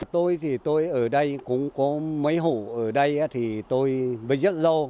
tôi thì tôi ở đây cũng có mấy hủ ở đây thì tôi với rất lâu